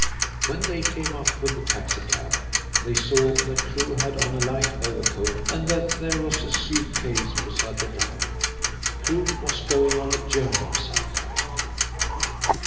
When they came up with the taxi cab they saw that Crewe had on a light overcoat and that there was a suit case beside the driver. Crewe was going on a journey of some kind.